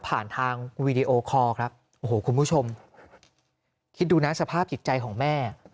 ผ่านทางวีดีโอคอร์ครับโอ้โหคุณผู้ชมคิดดูนะสภาพจิตใจของแม่